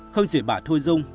không chỉ bà thu dung